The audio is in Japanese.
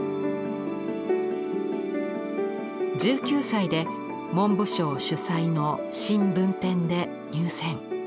１９歳で文部省主催の新文展で入選。